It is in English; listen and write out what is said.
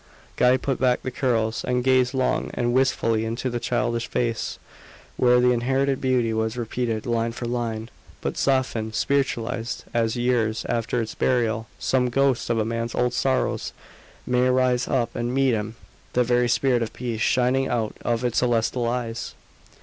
Guy put back the curls, and gazed long and wistfully into the childish face, where the inherited beauty was repeated line for line. But softened, spiritualised, as, years after its burial, some ghost of a man's old sorrows may rise up and meet him, the very spirit of peace shining out of its celestial eyes.